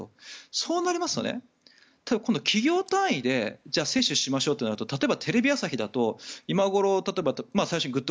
そうなりますと今度は企業単位で接種しましょうとなると例えば、テレビ朝日だと一番最初「グッド！